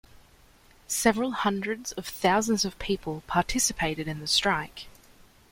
Several hundreds of thousands of people participated in the strike.